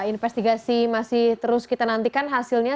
investigasi masih terus kita nantikan hasilnya